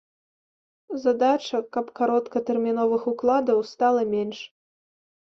Задача, каб кароткатэрміновых укладаў стала менш.